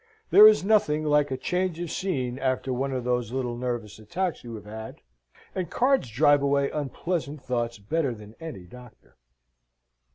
There is nothing like a change of scene after one of those little nervous attacks you have had, and cards drive away unpleasant thoughts better than any doctor."